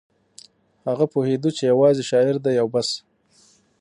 هغه پوهېده چې یوازې شاعر دی او بس